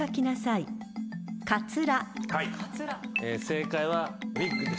正解は。